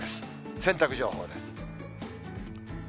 洗濯情報です。